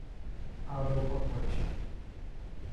Abra o pacote